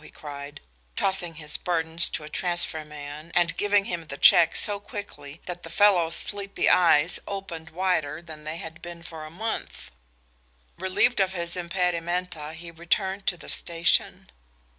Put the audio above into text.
he cried, tossing his burdens to a transfer man and giving him the checks so quickly that the fellow's sleepy eyes opened wider than they had been for a month. Relieved of his impedimenta, he returned to the station.